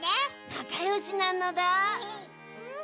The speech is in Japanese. なかよしなのだ。